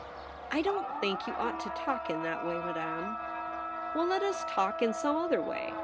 * I don't think you ought to talk in that way, Madame.' * Well, let us talk in some other way.